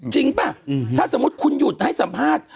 ป่ะถ้าสมมุติคุณหยุดให้สัมภาษณ์